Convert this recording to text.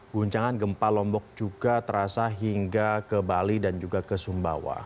guncangan gempa lombok juga terasa hingga ke bali dan juga ke sumbawa